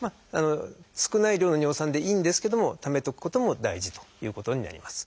少ない量の尿酸でいいんですけどもためとくことも大事ということになります。